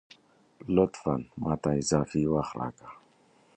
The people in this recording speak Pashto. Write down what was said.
لطفاً ! ماته اضافي وخت راکه